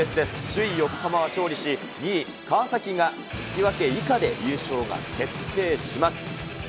首位横浜が勝利し、２位川崎が引き分け以下で優勝が決定します。